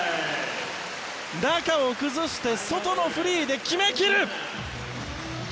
中を崩して外のフリーで決め切る！